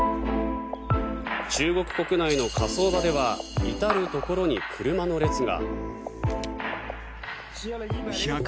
中国国内の火葬場では至るところに車の列が。